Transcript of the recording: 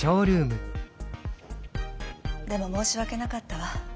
でも申し訳なかったわ。